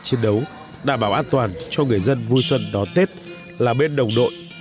chiến đấu đảm bảo an toàn cho người dân vui xuân đón tết là bên đồng đội